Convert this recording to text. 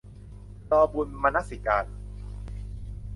รอบุญ - มนสิการ